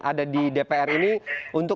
ada di dpr ini untuk